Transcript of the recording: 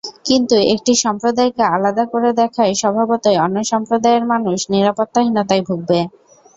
কিন্তু একটি সম্প্রদায়কে আলাদা করে দেখায় স্বভাবতই অন্য সম্প্রদায়ের মানুষ নিরাপত্তাহীনতায় ভুগবে।